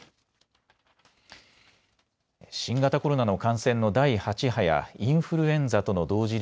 新型コロナの感染の第８波やインフルエンザとの同時